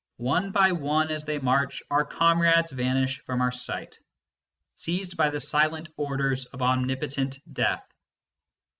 One by one, as they march, our comrades vanish from our sight, seized by the silent orders of omnipotent Death.